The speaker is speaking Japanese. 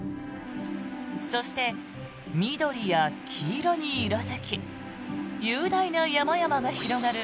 そして、緑や黄色に色付き雄大な山々が広がる